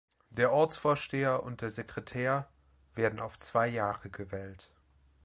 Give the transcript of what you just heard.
Der Ortsvorsteher und der Sekretär werden auf zwei Jahre gewählt.